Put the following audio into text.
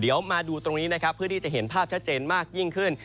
เดี๋ยวมาดูตรงนี้นะครับเพื่อที่จะเห็นภาพชัดเจนมากยิ่งขึ้น